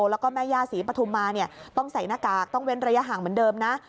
แล้วก็แม่ย่าศรีปฐุมมาต้องใส่หน้ากากต้องเว้นระยะห่างเหมือนเดิมนะ